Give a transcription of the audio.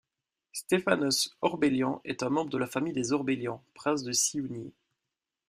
Stépanos Orbélian est un membre de la famille des Orbélian, princes de Siounie.